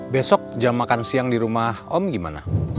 besok jam makan siang di rumah om gimana